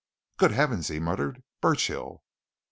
"Good heavens!" he muttered. "Burchill!"